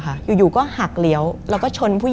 มันกลายเป็นรูปของคนที่กำลังขโมยคิ้วแล้วก็ร้องไห้อยู่